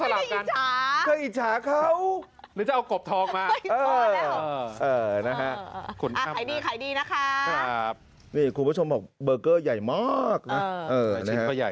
ไม่ได้อิจฉาเธออิจฉาเขา